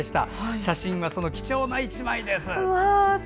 写真はその貴重な１枚です。